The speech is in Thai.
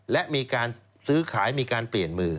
และมีการซื้อขายมีการเปลี่ยนมือ